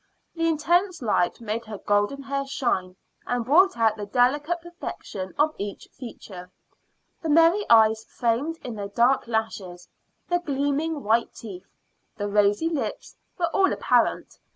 The intense light made her golden hair shine, and brought out the delicate perfection of each feature; the merry eyes framed in their dark lashes, the gleaming white teeth, the rosy lips were all apparent.